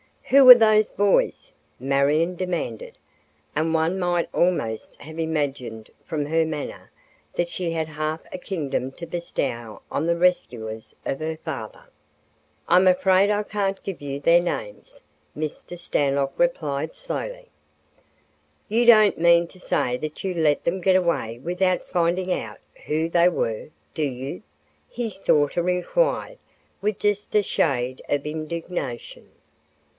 "Who are those boys?" Marion demanded, and one might almost have imagined from her manner that she had half a kingdom to bestow on the rescuers of her father. "I'm afraid I can't give you their names," Mr. Stanlock replied slowly. "You don't mean to say that you let them get away without finding out who they were, do you?" his daughter inquired with just a shade of indignation.